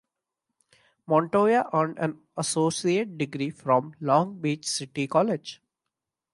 Montoya earned an associate degree from Long Beach City College.